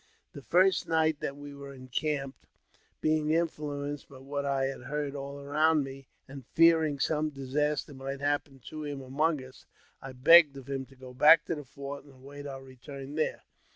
The first night that we were encamped, being influenced by what I had heard :all around me, and fearing some disaster might happen to him among us, I begged of him to go back to the fort and await o return there.